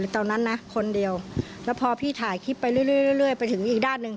ตอนนั้นนะคนเดียวแล้วพอพี่ถ่ายคลิปไปเรื่อยไปถึงอีกด้านหนึ่ง